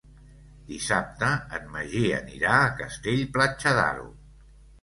Dissabte en Magí anirà a Castell-Platja d'Aro.